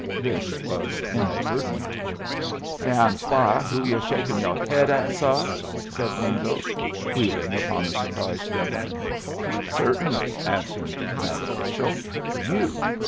This was inadvertent. "May I inquah who yo're shakin' yoh head at, suh?" said Wingo, wheeling upon the surprised Governor. "Certainly," answered that official. "You."